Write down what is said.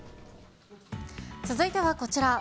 続いてはこちら。